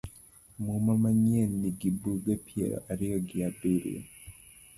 Muma manyien Nigi buge piero ariyo gi abirio